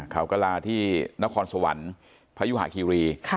ข่าวก็ลาที่นครสวรรค์พยุหาคิรีศ์